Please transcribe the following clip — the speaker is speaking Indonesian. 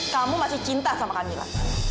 kamu masih cinta sama kamila